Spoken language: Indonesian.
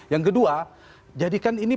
yang kedua jadikan ini